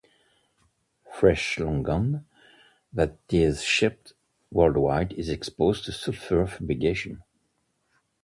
Fresh longan that is shipped worldwide is exposed to sulfur fumigation.